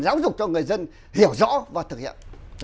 giáo dục cho người dân hiểu rõ và thực hiện